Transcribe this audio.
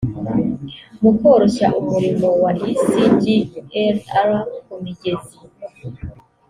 mu koroshya umurimo wa icglr kumigezi